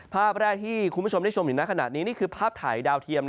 ภาพแรกที่คุณผู้ชมได้ชมอยู่ในขณะนี้นี่คือภาพถ่ายดาวเทียม